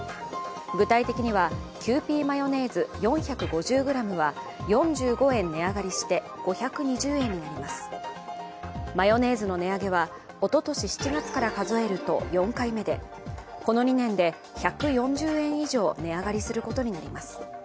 具体的には、キユーピーマヨネーズ４５０ｇは４５円値上がりして５２０円になりますマヨネーズの値上げはおととし７月から数えると４回目でこの２年で１４０円以上値上がりすることになります。